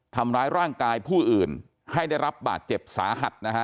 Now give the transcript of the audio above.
ทำร้ายร่างกายผู้อื่นให้ได้รับบาดเจ็บสาหัสนะฮะ